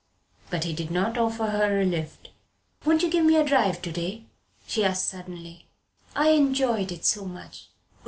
But he did not offer her a lift. "Won't you give me a drive to day?" she asked suddenly. "I enjoyed it so much."